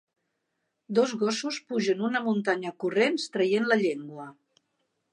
Dos gossos pugen una muntanya corrents traient la llengua.